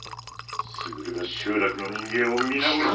傑が集落の人間を皆殺しに。